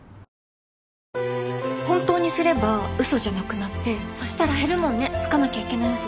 本当にすればうそじゃなくなってそしたら減るもんねつかなきゃいけないうそ。